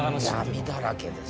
闇だらけです。